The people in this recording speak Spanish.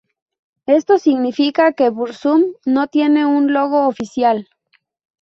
Esto significa que Burzum no tiene un logo oficial.